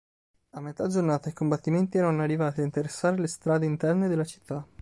A metà giornata, i combattimenti erano arrivati a interessare le strade interne della città.